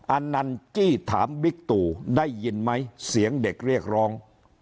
อันนั้นจี้ถามบิ๊กตู่ได้ยินไหมเสียงเด็กเรียกร้อง